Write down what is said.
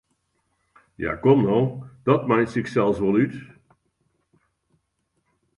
Ja, kom no, dat meitsje ik sels wol út!